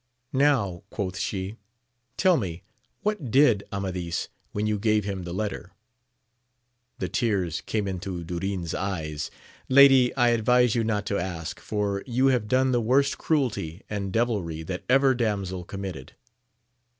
Now, quoth she, tell me what did Amadis when you gave him the letter ] The tears came into Durin^s eyes. Lady, I adWse you not to ask, for you have done the worst cnielty and devilry that ever damsel committed.